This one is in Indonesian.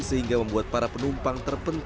sehingga membuat para penumpang terpenuhi